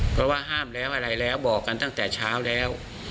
เพราะว่าห้ามแล้วอะไรแล้วบอกกันตั้งแต่เช้าแล้ว